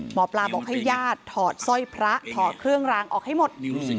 หมอปลาบอกให้ญาติถอดสร้อยพระถอดเครื่องรางออกให้หมด